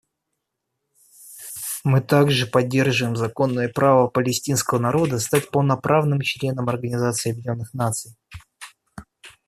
Мы также поддерживаем законное право палестинского народа стать полноправным членом Организации Объединенных Наций.